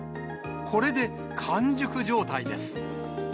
これで完熟状態です。